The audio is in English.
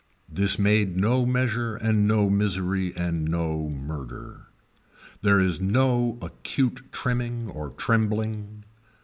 This made no measure and no misery and no murder. There is no acute trimming nor trembling.